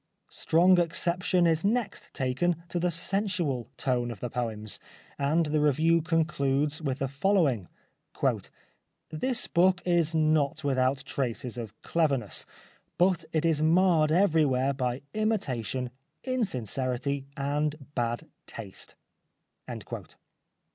Strong exception is next taken to the sensual tone of the poems, and the review concludes with the following :" This book is not with out traces of cleverness, but it is marred everywhere by imitation, insincerity, and bad taste."